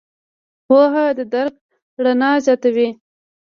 پوهه د درک رڼا زیاتوي.